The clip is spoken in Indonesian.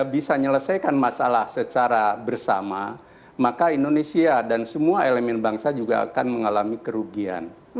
bisa menyelesaikan masalah secara bersama maka indonesia dan semua elemen bangsa juga akan mengalami kerugian